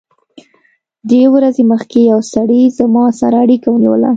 درې ورځې مخکې یو سړي زما سره اړیکه ونیوله